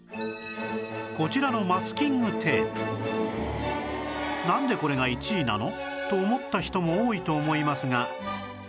こちらのなんでこれが１位なの？と思った人も多いと思いますが